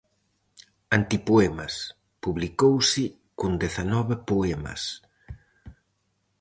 "Antipoemas" publicouse con dezanove poemas.